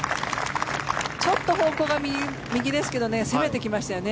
ちょっと方向が右ですが攻めてきましたね。